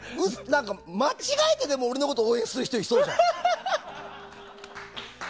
間違えてでも俺のこと応援する人いそうじゃん。